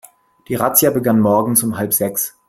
Die Razzia begann morgens um halb sechs.